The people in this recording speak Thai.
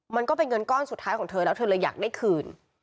มันก็เป็นเงินก้อนสุดท้ายของเธอแล้วเธอเลยอยากได้คืน